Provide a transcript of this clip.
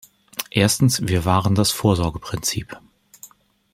Erstens, wir wahren das Vorsorgeprinzip.